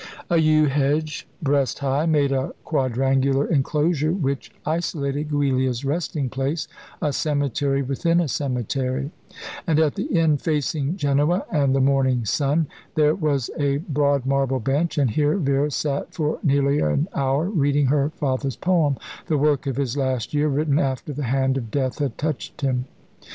A yew hedge, breast high, made a quadrangular enclosure which isolated Giulia's resting place a cemetery within a cemetery and, at the end facing Genoa and the morning sun, there was a broad marble bench, and here Vera sat for nearly an hour, reading her father's poem, the work of his last year, written after the hand of death had touched him.